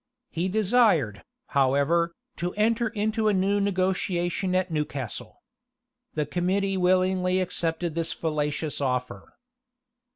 He desired, however, to enter into a new negotiation at Newcastle. The committee willingly accepted this fallacious offer.